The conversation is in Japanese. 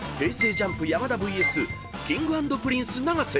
ＪＵＭＰ山田ＶＳＫｉｎｇ＆Ｐｒｉｎｃｅ永瀬］